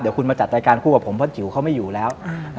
เดี๋ยวคุณมาจัดรายการคู่กับผมเพราะจิ๋วเขาไม่อยู่แล้ว